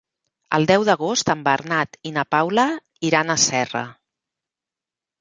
El deu d'agost en Bernat i na Paula iran a Serra.